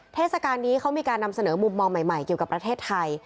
เทศกาลนี้เขามีการนำเสนอมุมมองใหม่เกี่ยวกับประเทศไทย